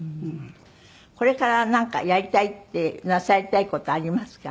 これからなんかやりたいってなさりたい事ありますか？